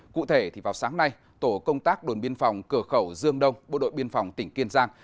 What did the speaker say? cụ thể thì vào sáng nay tổ công tác đồn biên phòng cửa khẩu dương đông bộ đội biên phòng tỉnh kiên giang